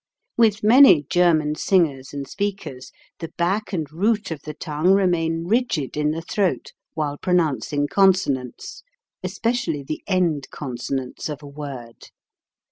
With many German singers and speakers the back and root of the tongue remain rigid in the throat while pronouncing consonants, es pecially the end consonants of a word.